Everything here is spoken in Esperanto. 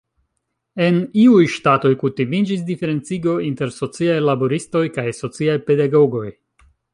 En iuj ŝtatoj kutimiĝis diferencigo inter "sociaj laboristoj" kaj "sociaj pedagogoj".